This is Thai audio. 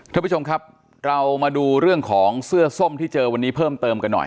ท่านผู้ชมครับเรามาดูเรื่องของเสื้อส้มที่เจอวันนี้เพิ่มเติมกันหน่อย